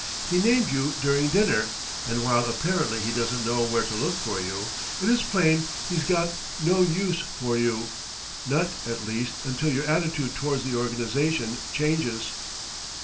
He named you during dinner, and while apparently he doesn't know where to look for you, it is plain he's got no use for you not, at least, until your attitude towards the organization changes."